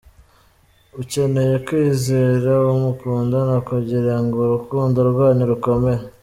Ukeneye kwizera uwo mukundana kugira ngo urukundo rwanyu rukomere.